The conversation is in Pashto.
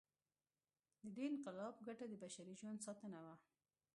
د دې انقلاب ګټه د بشري ژوند ساتنه وه.